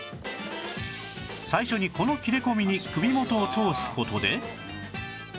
最初にこの切れ込みに首元を通す事で